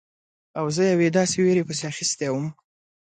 او زه یوې داسې ویرې پسې اخیستی وم.